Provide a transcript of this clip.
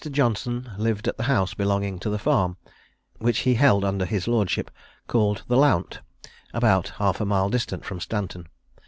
Johnson lived at the house belonging to the farm, which he held under his lordship, called the Lount, about half a mile distant from Stanton.